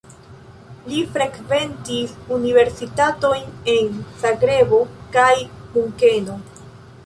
Li frekventis universitatojn en Zagrebo kaj Munkeno.